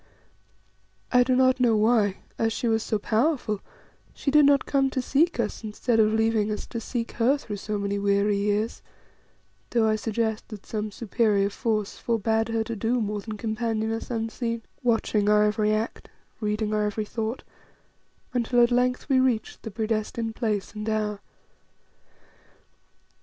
I do not know why, as she was so powerful, she did not come to seek us, instead of leaving us to seek her through so many weary years, though I suggest that some superior force forbade her to do more than companion us unseen, watching our every act, reading our every thought, until at length we reached the predestined place and hour.